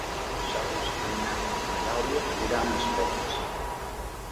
Dijous en Nel i na Dàlia aniran a Esporles.